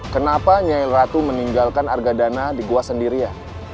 kenapa nyai ratu meninggalkan argadana di gua sendirian